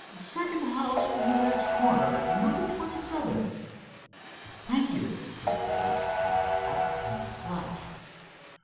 "Second house from the next corner. Number twenty seven." "Thank you," said Dave and was off like a flash.